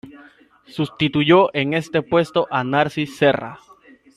Sustituyó en este puesto a Narcís Serra.